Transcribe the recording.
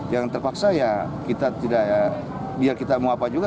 yang terpaksa ya kita tidak ya biar kita mau apa juga